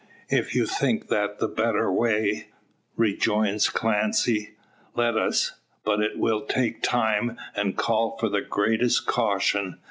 "If you think that the better way," rejoins Clancy, "let us. But it will take time, and call for the greatest caution.